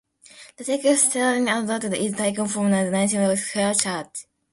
The text, slightly altered, is taken from the Latin Mass of the Catholic church.